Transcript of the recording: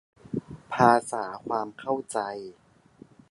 ภาษา ความ เข้าใจ